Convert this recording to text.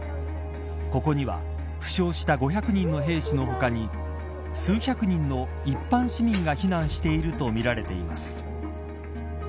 ここには負傷した５００人の兵士の他に数百人の一般市民が避難しているとみられています。